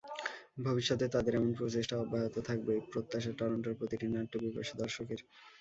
ভবিষ্যতে তাদের এমন প্রচেষ্টা অব্যহত থাকবে—এই প্রত্যাশা টরন্টোর প্রতিটি নাট্য পিপাসু দর্শকের।